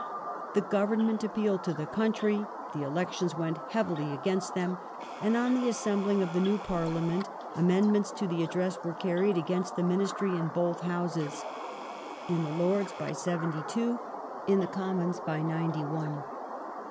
The Government appealed to the country ; the elections went heavily against them, and on the assembling of the new Parliament amendments to the Address were carried against the Ministry in both Houses : in the Lords by seventy two, in the Commons by ninety one.